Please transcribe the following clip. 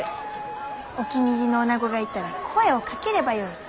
お気に入りのおなごがいたら声をかければよい。